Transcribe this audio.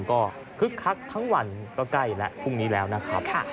ก็คึกคักทั้งวันก็ใกล้แล้วพรุ่งนี้แล้วนะครับ